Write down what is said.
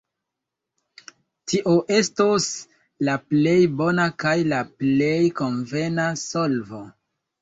Tio estos la plej bona kaj la plej konvena solvo.